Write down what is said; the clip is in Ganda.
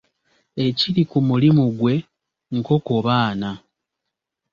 Ekiri ku mulimu gwe, nkoko baana.